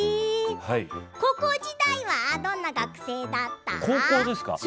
高校時代はどんな学生だった？